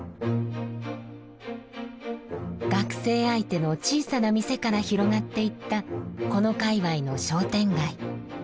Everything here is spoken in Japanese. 学生相手の小さな店から広がっていったこの界わいの商店街。